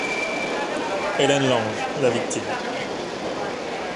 Hélène Lange, la victime.